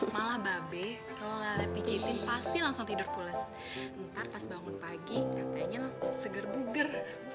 malah babe kalau lala pijitin pasti langsung tidur pules ntar pas bangun pagi katanya seger buger